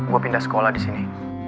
gue pindah sekolah disini